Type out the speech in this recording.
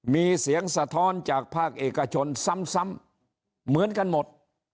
มีเสียงสะท้อนจากภาคเอกชนซ้ำเหมือนกันหมด